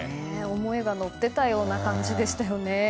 思いが乗っていたような感じでしたよね。